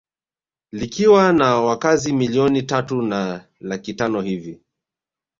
Likiwa na wakazi milioni tatu na laki tano hivi